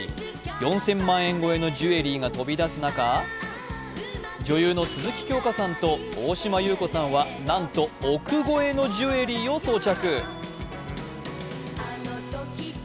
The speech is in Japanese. ４０００万円超えのジュエリーが飛び出す中、女優の鈴木京香さんと大島優子さんはなんと億超えのジュエリーを装着。